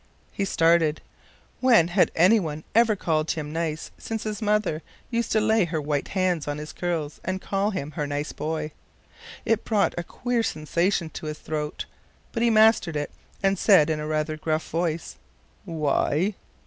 He started. When had any one ever called him nice since his mother used to lay her white hand on his curls and call him her nice boy? It brought a queer sensation in his throat, but he mastered it and said in a rather gruff voice: "Why?"